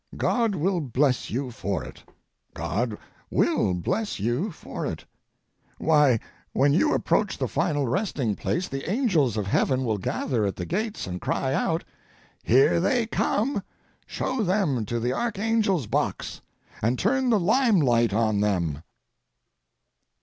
God will bless you for it—God will bless you for it. Why, when you approach the final resting place the angels of heaven will gather at the gates and cry out: "Here they come! Show them to the archangel's box, and turn the lime light on them!"